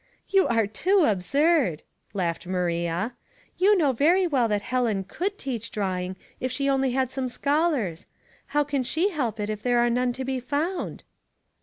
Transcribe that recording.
"You are too absurd," laughed Maria. "You know very well that Helen could teach drawing if she only had some scholars. How can she help it if there are none to be found